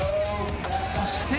そして。